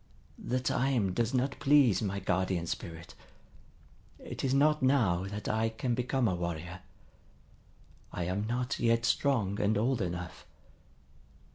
The time does not please my Guardian Spirit. It is not now that I can become a warrior. I am not yet strong and old enough.